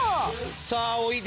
さあおいで。